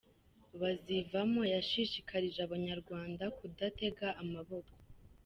Bazivamo yashishikarije abanyarwanda kudatega amaboko